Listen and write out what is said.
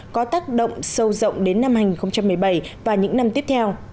có tác động sâu rộng đến năm hai nghìn một mươi bảy và những năm tiếp theo